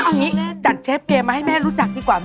เอางี้จัดเชฟเกมมาให้แม่รู้จักดีกว่าไหม